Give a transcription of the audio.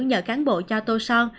nhờ cán bộ cho tô son